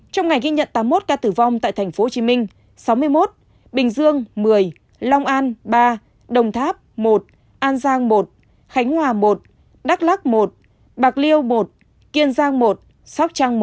trong ngày ghi nhận tám mươi một ca tử vong tại thành phố hồ chí minh sáu mươi một bình dương một mươi long an ba đồng tháp một an giang một khánh hòa một đắk lắc một bạc liêu một kiên giang một sóc trăng một